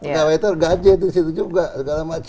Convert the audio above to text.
pegawai itu gaji itu juga